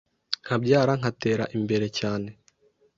nkabyara nkatera imbere cyane